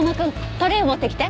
トレーを持ってきて。